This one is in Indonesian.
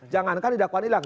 jangankan di dakwaan hilang